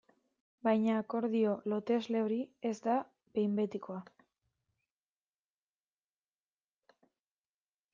Baina akordio lotesle hori ez da behin betikoa.